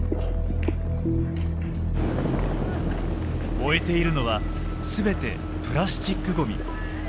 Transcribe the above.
燃えているのは全てプラスチックごみ。